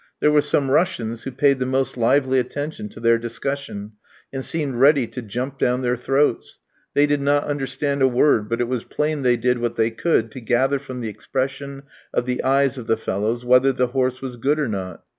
There were some Russians who paid the most lively attention to their discussion, and seemed ready to jump down their throats; they did not understand a word, but it was plain they did what they could to gather from the expression of the eyes of the fellows whether the horse was good or not.